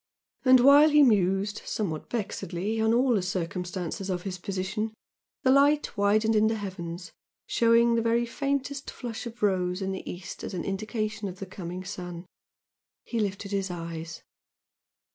And while he mused, somewhat vexedly, on all the circumstances of his position, the light widened in the heavens, showing the very faintest flush of rose in the east as an indication of the coming sun. He lifted his eyes....